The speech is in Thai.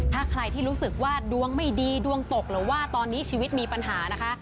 ถ้าใครที่รู้สึกว่าดวงไม่ดีดวงตกหรือว่าตอนนี้ชีวิตมีปัญหานะคะ